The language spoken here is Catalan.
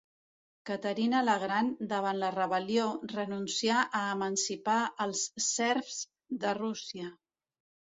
Caterina la Gran davant la rebel·lió renuncià a emancipar els serfs de Rússia.